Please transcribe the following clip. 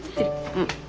うん。